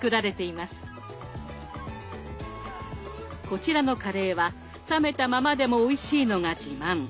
こちらのカレーは冷めたままでもおいしいのが自慢。